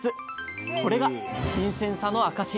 これが新鮮さの証し。